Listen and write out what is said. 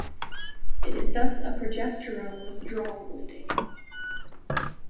It is thus a progesterone withdrawal bleeding.